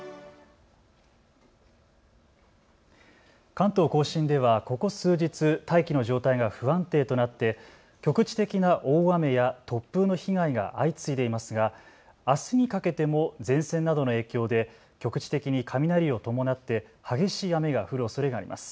関東甲信ではここ数日、大気の状態が不安定となって局地的な大雨や突風の被害が相次いでいますがあすにかけても前線などの影響で局地的に雷を伴って激しい雨が降るおそれがあります。